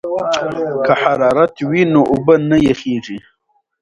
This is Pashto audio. که حرارت وي نو اوبه نه یخیږي.